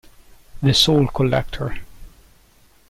The Soul Collector